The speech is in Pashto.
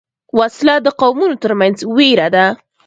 وسله د قومونو تر منځ وېره ده